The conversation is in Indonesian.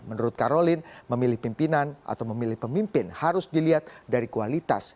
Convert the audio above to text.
menurut karolin memilih pimpinan atau memilih pemimpin harus dilihat dari kualitas